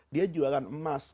dia jualan emas